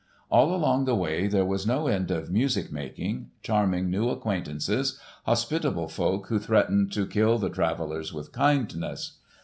All along the way there was no end of music making, charming new acquaintances, hospitable folk who threatened to kill the travellers with kindness.